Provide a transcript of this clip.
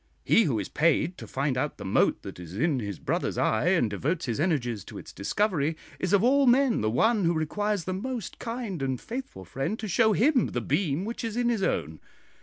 He who is paid to find out the mote that is in his brother's eye, and devotes his energies to its discovery, is of all men the one who requires the most kind and faithful friend to show him the beam which is in his own.